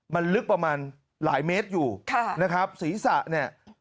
มันลึกประมาณหลายเมตรอยู่ค่ะนะครับศีรษะเนี่ย